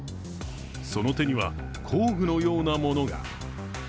その手には、工具のようなものが。